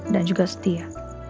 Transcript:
dan juga setia